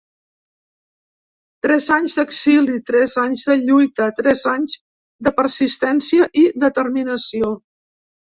Tres anys d’exili, tres anys de lluita, tres anys de persistència i determinació.